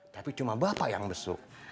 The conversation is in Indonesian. tapi cuma bapak yang besuk